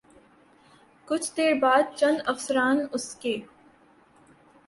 کچھ دیر بعد چند افسران اس کے